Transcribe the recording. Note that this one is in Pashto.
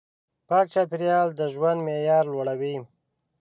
پاک چاپېریال د ژوند معیار لوړوي.